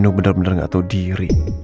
nino bener bener gak tau diri